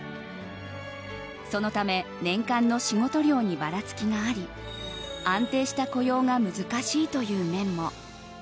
そのため年間の仕事量にばらつきがあり安定した雇用が難しいという面も。